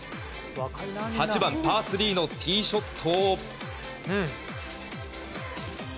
８番、パー３のティーショット。